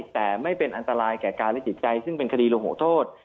แต่ไม่เป็นอันตรายแก่กายและจิตใจซึ่งเป็นคดีโลโหโทษ